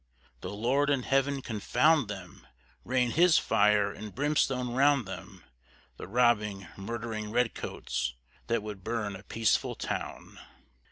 The Lord in heaven confound them, rain his fire and brimstone round them, The robbing, murdering redcoats, that would burn a peaceful town!